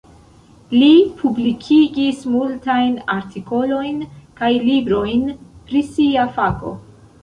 Li publikigis multajn artikolojn kaj librojn pri sia fako.